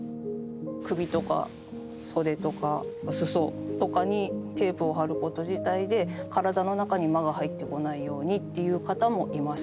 首とか袖とか裾とかにテープを貼ること自体で体の中に魔が入ってこないようにっていう方もいます。